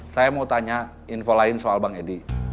saya mau tanya info lain soal bang edi